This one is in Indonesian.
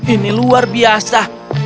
ini luar biasa